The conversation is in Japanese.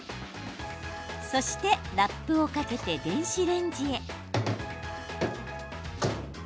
そして、ラップをかけて電子レンジへ。